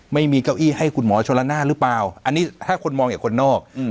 ไม่มีเก้าอี้ให้คุณหมอชนละนานหรือเปล่าอันนี้ถ้าคนมองจากคนนอก